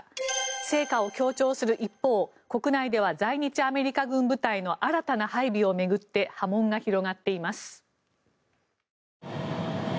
成果を強調する一方国内では在日アメリカ軍部隊の新たな配備を巡って波紋が広がっています。